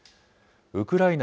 ウクライナ